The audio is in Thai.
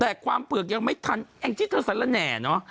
แต่ความเปลือกยังไม่ทันแองจี้เธอสรรแหน่เนอะ